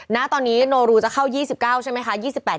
ณตอนนี้โนรูจะเข้า๒๙ใช่ไหมคะ